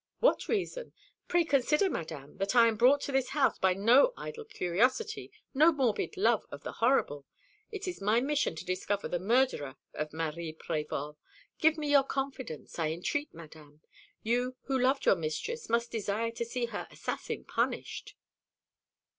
"What reason? Pray consider, Madame, that I am brought to this house by no idle curiosity, no morbid love of the horrible. It is my mission to discover the murderer of Marie Prévol. Give me your confidence, I entreat, Madame. You who loved your mistress must desire to see her assassin punished."